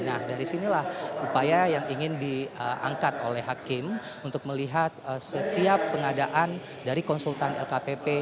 nah dari sinilah upaya yang ingin diangkat oleh hakim untuk melihat setiap pengadaan dari konsultan lkpp